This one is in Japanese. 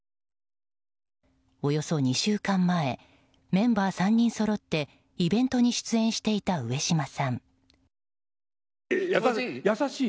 およそ２週間前メンバー３人そろってイベントに出演していた上島さん。